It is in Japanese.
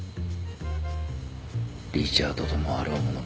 リチャードともあろうものが。